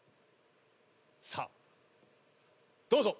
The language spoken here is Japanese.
さあどうぞ。